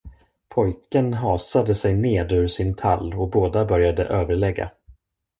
Pojken hasade sig ned ur sin tall och båda började överlägga.